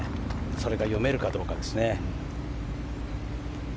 それが読めるかどうかですね。